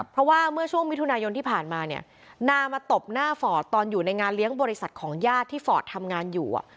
เพราะว่าเมื่อช่วงมิถุนายนที่ผ่านมาเนี่ยนามาตบหน้าฟอร์ดตอนอยู่ในงานเลี้ยงบริษัทของญาติที่ฟอร์ดทำงานอยู่